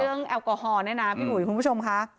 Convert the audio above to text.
เกื้องแอลกอฮอล์เนี่ยนะพี่หมู่คุณผู้ชมค่ะ